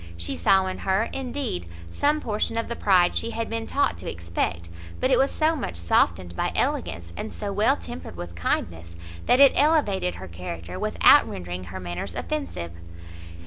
She saw in her, indeed, some portion of the pride she had been taught to expect, but it was so much softened by elegance, and so well tempered with kindness, that it elevated her character, without rendering her manners offensive.